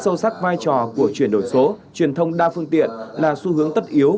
sâu sắc vai trò của chuyển đổi số truyền thông đa phương tiện là xu hướng tất yếu